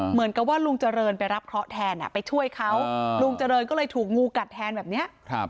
เหมือนกับว่าลุงเจริญไปรับเคราะห์แทนไปช่วยเขาลุงเจริญก็เลยถูกงูกัดแทนแบบนี้